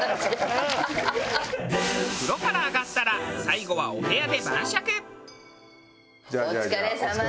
風呂から上がったら最後はお部屋で晩酌。